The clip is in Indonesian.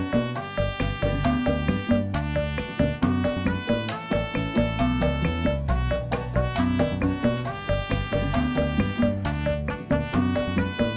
tidak tidak tidak